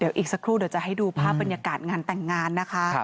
เดี๋ยวอีกสักครู่เดี๋ยวจะให้ดูภาพบรรยากาศงานแต่งงานนะคะ